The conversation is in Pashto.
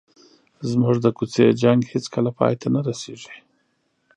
زموږ د کوڅې جنګ هېڅکله پای ته نه رسېږي.